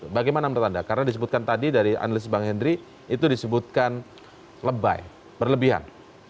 bagaimana menurut anda karena disebutkan tadi dari analis bang henry itu disebutkan lebay berlebihan